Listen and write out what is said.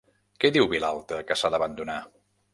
Què diu Vilalta que s'ha d'abandonar?